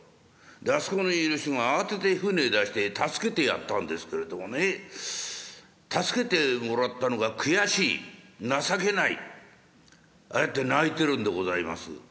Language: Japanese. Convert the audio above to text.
であそこにいる人が慌てて舟出して助けてやったんですけれどもね助けてもらったのが悔しい情けないって泣いてるんでございます」。